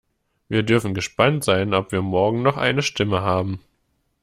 Wir dürfen gespannt sein, ob wir morgen noch eine Stimme haben.